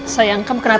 sayang kamu kenapa